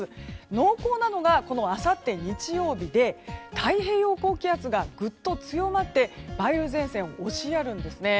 濃厚なのがあさって日曜日で太平洋高気圧がぐっと強まって梅雨前線を押しやるんですね。